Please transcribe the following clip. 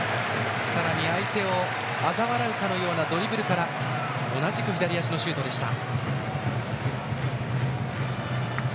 さらに、相手をあざ笑うかのようなドリブルから同じく左足のシュートでした。